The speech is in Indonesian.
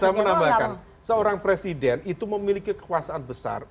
saya menambahkan seorang presiden itu memiliki kekuasaan besar